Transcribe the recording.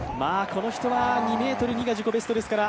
この人は２ｍ２が自己ベストですから。